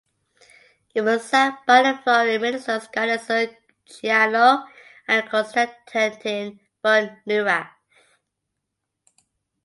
It was signed by the foreign ministers Galeazzo Ciano and Konstantin von Neurath.